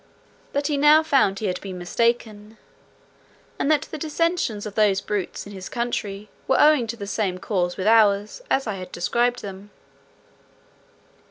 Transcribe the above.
But he now found he had been mistaken, and that the dissensions of those brutes in his country were owing to the same cause with ours, as I had described them.